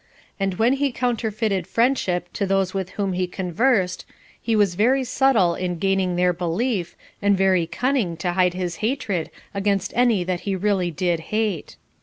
And when he counterfeited friendship to those with whom he conversed, he was very subtle in gaining their belief, and very cunning to hide his hatred against any that he really did hate.